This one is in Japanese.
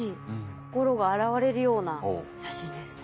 心が洗われるような写真ですね。